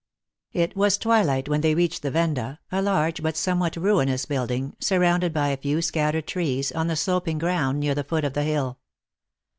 IT was twilight when they reached the venda, a large but somewhat ruinous building, surrounded by a few scattered trees, on the sloping ground near the foot of the hill.